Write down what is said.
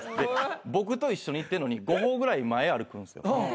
僕と一緒に行ってるのに５歩ぐらい前歩くんですよ。